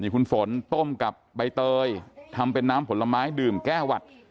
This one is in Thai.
คุณฝนต้มกับใบเตยทำเป็นน้ำผลไม้ดื่มแก้หวัด